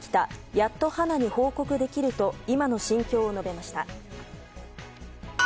やっと花に報告できると今の心境を述べました。